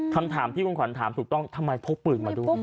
คำถามที่คุณขวัญถามถูกต้องทำไมพกปืนมาด้วย